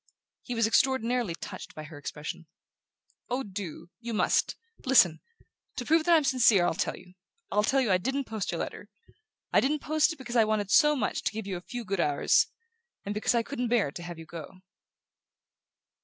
He was extraordinarily touched by her expression. "Oh, do! You must. Listen: to prove that I'm sincere I'll tell you...I'll tell you I didn't post your letter...I didn't post it because I wanted so much to give you a few good hours ... and because I couldn't bear to have you go."